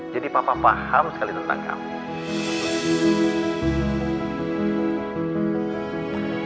jadi papa paham sekali tentang kamu